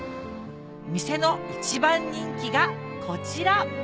店の一番人気がこちら